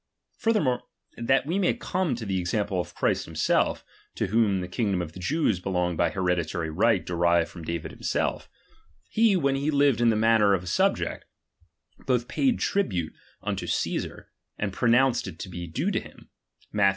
Furthermore, that we may come to ^^| the example of Christ himself, to whom the king ^H dom of the Jews belonged by hereditary right ^H derived from David himself; he, when he lived in ^H the manner of a subject, both paid tribute unto ^^| Ciesar, and pronounced it to be due to him, Matth.